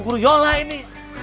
kuruyol lah ini